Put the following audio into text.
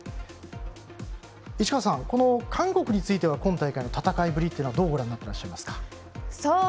市川さん、韓国については今大会の戦いぶりどうご覧になっていらっしゃいますか？